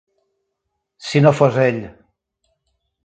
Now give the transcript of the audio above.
Si no fos ell.